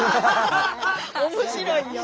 面白いよ。